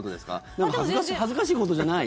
なんか恥ずかしいことじゃない？